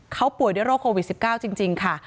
เขาป่วยด้วยโรคโควิด๑๙จริงค่ะ